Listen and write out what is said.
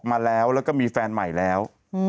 มาแล้วแล้วก็มีแฟนใหม่แล้ว